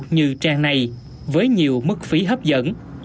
như trang này với nhiều mức phí hấp dẫn